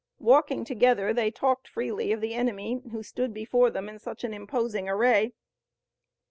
Walking together they talked freely of the enemy who stood before them in such an imposing array.